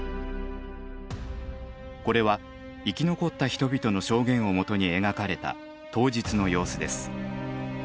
これは生き残った人々の証言をもとに描かれた当日の様子です。